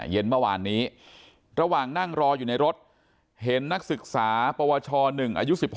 เย็นเมื่อวานนี้ระหว่างนั่งรออยู่ในรถเห็นนักศึกษาปวช๑อายุ๑๖